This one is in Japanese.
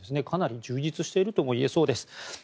かなり充実しているとも言えそうです。